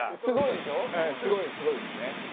すごいですすごいですね。